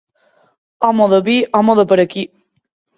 Home de vi, home de per aquí.